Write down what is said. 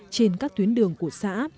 trên các tuyến đường của xã